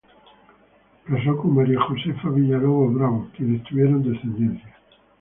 Casó con María Josefa Villalobos Bravo, quienes tuvieron descendencia.